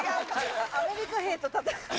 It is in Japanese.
アメリカ兵と戦ってるみたい。